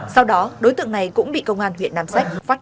sau đó đối tượng này cũng bị công an huyện nam sách phát hiện bắt quả tàng